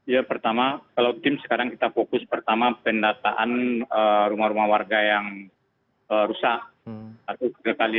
ya pertama kalau tim sekarang kita fokus pertama pendataan rumah rumah warga yang rusak